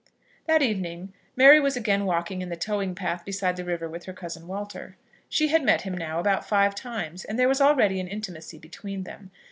That evening Mary was again walking on the towing path beside the river with her cousin Walter. She had met him now about five times, and there was already an intimacy between them.